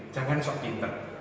jangan sok cinta